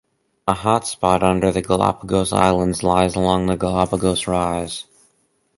A hotspot under the Galapagos Islands lies along the Galapagos Rise.